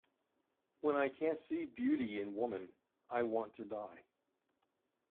When I can't see beauty in woman I want to die.